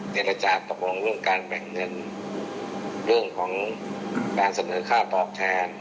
เจรจาตกลงเรื่องการแบ่งเงินเรื่องของการเสนอค่าตอบแทน